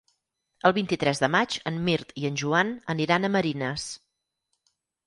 El vint-i-tres de maig en Mirt i en Joan aniran a Marines.